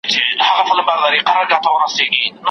له رقیبانو به یې پټه تر نګاره څارې